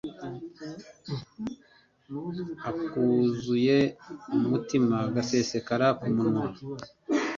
akuzuye umutima gasesekara ku munwa